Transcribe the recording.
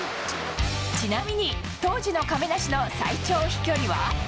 ちなみに、当時の亀梨の最長飛距離は。